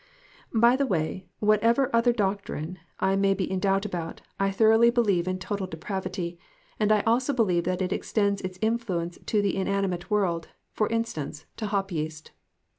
" By the way, whatever other doctrine I may be 52 TOTAL DEPRAVITY. in doubt about, I thoroughly believe in total depravity, and I also believe that it extends its influence to the inanimate world ; for instance, to hop yeast.